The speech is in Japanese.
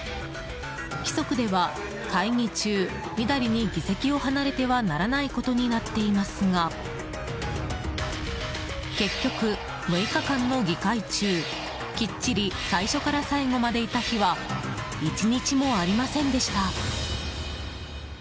規則では、会議中みだりに議席を離れてはならないことになっていますが。結局、６日間の議会中きっちり最初から最後までいた日は１日もありませんでした。